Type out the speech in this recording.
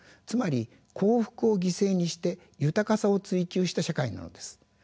つまり幸福を犠牲にして豊かさを追求した社会なのです。